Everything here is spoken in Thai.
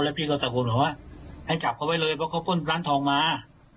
และพี่เค้าตระโกนแล้วว่าให้จับเขาไปเลยเพราะมีตั้งขาวมา